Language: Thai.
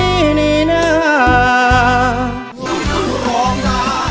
ไม่ค่อยได้อยากมีทุนสำรองไว้ให้แฟนค้าขาย